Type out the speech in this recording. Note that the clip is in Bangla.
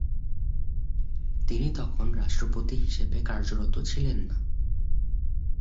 তিনি তখন রাষ্ট্রপতি হিসেবে কার্যরত ছিলেন না।